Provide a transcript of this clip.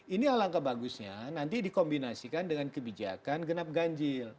ini alangkah bagusnya nanti dikombinasikan dengan kebijakan genap ganjil